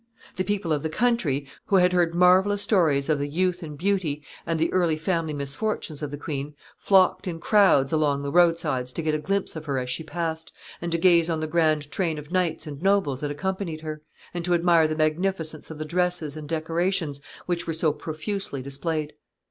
The people of the country, who had heard marvelous stories of the youth and beauty and the early family misfortunes of the queen, flocked in crowds along the roadsides to get a glimpse of her as she passed, and to gaze on the grand train of knights and nobles that accompanied her, and to admire the magnificence of the dresses and decorations which were so profusely displayed.